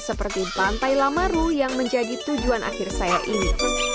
seperti pantai lamaru yang menjadi tujuan akhir saya ini